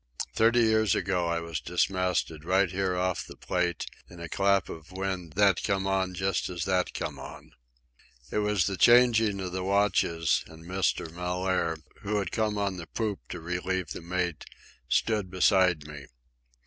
"Thirty years ago I was dismasted right here off the Plate in a clap of wind that come on just as that come on." It was the changing of the watches, and Mr. Mellaire, who had come on the poop to relieve the mate, stood beside me.